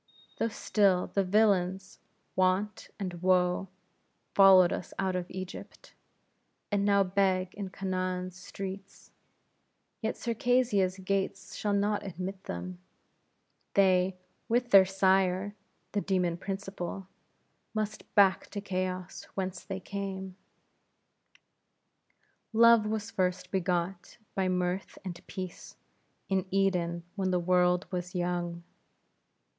Though still the villains, Want and Woe, followed us out of Egypt, and now beg in Canaan's streets: yet Circassia's gates shall not admit them; they, with their sire, the demon Principle, must back to chaos, whence they came. Love was first begot by Mirth and Peace, in Eden, when the world was young.